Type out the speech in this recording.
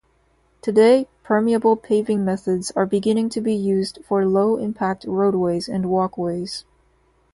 Today, permeable paving methods are beginning to be used for low-impact roadways and walkways.